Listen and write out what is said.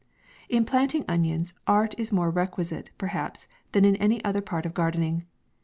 In planting onions, art is more requisite, perhaps, than in any other part of gardening.